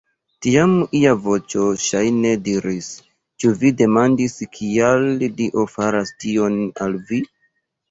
Tiam ia voĉo ŝajne diris: Ĉu vi demandis, kial Dio faras tion al vi?